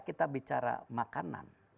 kita bicara makanan